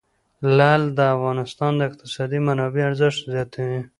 لعل د افغانستان د اقتصادي منابعو ارزښت زیاتوي.